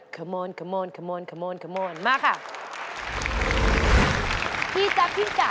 คำนวนมาค่ะ